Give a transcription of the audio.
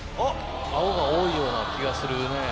青が多いような気がするね。